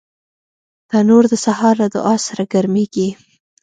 تنور د سهار له دعا سره ګرمېږي